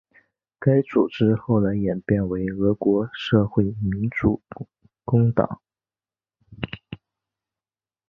该组织后来演变为俄国社会民主工党。